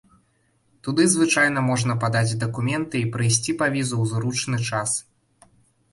Туды звычайна можна падаць дакументы і прыйсці па візу ў зручны час.